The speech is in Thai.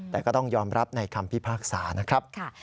แต่ก็ต้องยอมรับในคำพิพากษานะครับ